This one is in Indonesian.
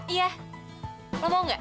iya lo mau gak